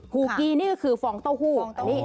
ฮูกี้นี่ก็คือฟองเต้าหู้